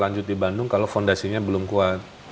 lanjut di bandung kalau fondasinya belum kuat